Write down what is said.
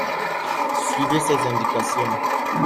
Suivez ses indications.